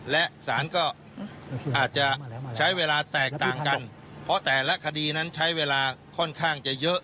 และสารก็อาจจะใช้เวลาแตกต่างกันเพราะแต่ละคดีนั้นใช้เวลาค่อนข้างจะเยอะ